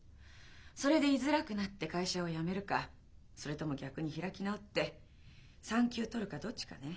それでいづらくなって会社を辞めるかそれとも逆に開き直って産休取るかどっちかね。